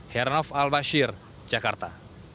heranov al bashir jakarta